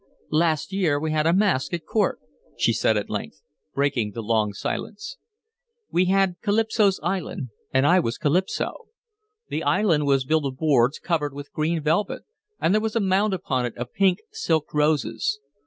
"Last year we had a masque at court," she said at length, breaking the long silence. "We had Calypso's island, and I was Calypso. The island was built of boards covered with green velvet, and there was a mound upon it of pink silk roses.